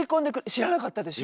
知らなかったです。